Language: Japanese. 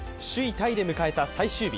タイで迎えた最終日。